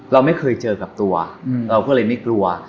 เราไม่เคยเจอกับตัวเราก็เลยไม่กลัว